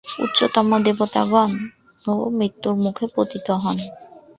উচ্চতম দেবতাগণও মৃত্যুমুখে পতিত হন।